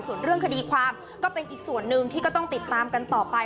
ส่วนเรื่องคดีความก็เป็นอีกส่วนหนึ่งที่ก็ต้องติดตามกันต่อไป